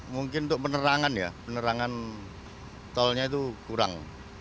mungkin untuk penerangan ya penerangan tolnya itu kurang